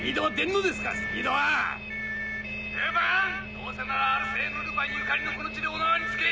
どうせならアルセーヌ・ルパンゆかりのこの地でお縄につけ！